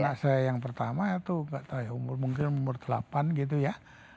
anak saya yang pertama itu kata ya umur mungkin umur delapan gitu ya